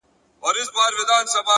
لوړ لید محدودیتونه کوچني ښيي’